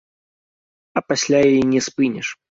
А пасля яе не спыніш.